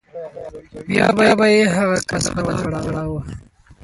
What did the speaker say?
نو بیا به یې هغه کس په دار ځړاوه